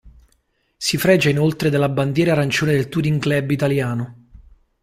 Si fregia inoltre della Bandiera arancione del Touring Club Italiano.